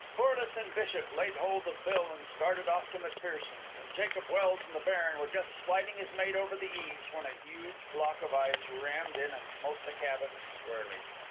Corliss and Bishop laid hold of Bill and started off to McPherson's, and Jacob Welse and the baron were just sliding his mate over the eaves, when a huge block of ice rammed in and smote the cabin squarely.